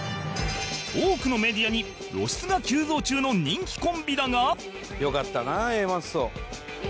多くのメディアに露出が急増中の人気コンビだが